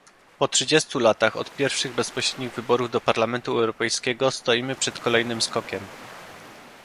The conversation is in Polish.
Po trzydziestu latach od pierwszych bezpośrednich wyborów do Parlamentu Europejskiego stoimy przed kolejnym skokiem